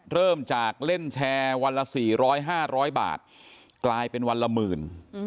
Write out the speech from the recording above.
เริ่มจากเล่นแชร์วันละ๔๐๐๕๐๐บาทกลายเป็นวันละหมื่น